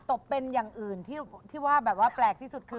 ตบเป็นอย่างอื่นที่ว่าแบบว่าแปลกที่สุดคือ